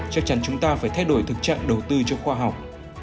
chắc chắn chúng ta phải thay đổi thực trạng đầu tư cho khoa học